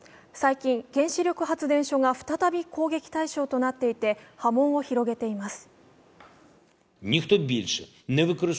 最近、原子力発電所が再び攻撃対象となっていて波紋を広げています。